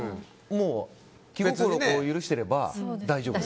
もう、気を許していれば大丈夫。